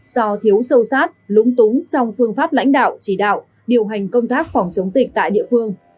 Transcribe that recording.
do thiếu sâu sát lúng túng trong phương pháp lãnh đạo chỉ đạo điều hành công tác phòng chống dịch tại địa phương